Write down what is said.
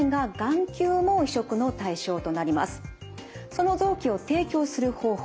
その臓器を提供する方法